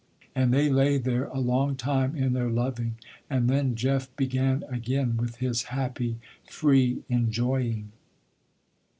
And they lay there a long time in their loving, and then Jeff began again with his happy free enjoying.